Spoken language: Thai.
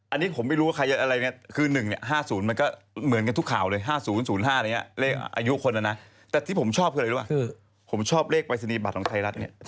อันนี้ผมไม่รู้ว่าใครจะอะไร